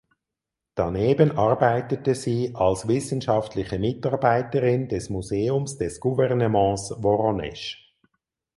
Daneben arbeitete sie als wissenschaftliche Mitarbeiterin des Museums des Gouvernements Woronesch.